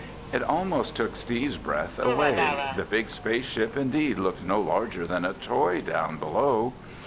It almost took Steve's breath away. The big space ship indeed looked no larger than a toy down below.